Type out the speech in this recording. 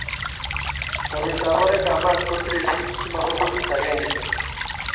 Chobet ab oret ab mat kosirei pik che mobo kutit agenge